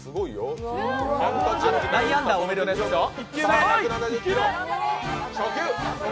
内野安打、多めでお願いしますよ。